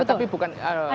tetapi bukan ee